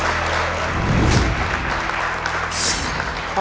คุณยายแจ้วเลือกตอบจังหวัดนครราชสีมานะครับ